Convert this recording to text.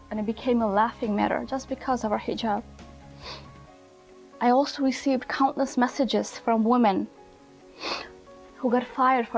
saya berpikir jika saya bisa mengundang wanita di semua agama